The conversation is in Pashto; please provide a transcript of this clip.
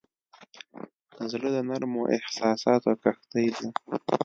زړه د نرمو احساساتو کښتۍ ده.